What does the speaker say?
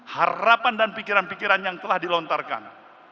harapan dan pikiran pikiran yang telah dilontarkan